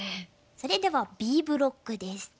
それではＢブロックです。